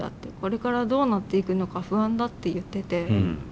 「これからどうなっていくのか不安だ」って言ってて。